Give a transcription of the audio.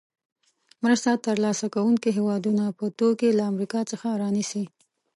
مرسته تر لاسه کوونکې هېوادونه به توکي له امریکا څخه رانیسي.